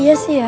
iya sih ya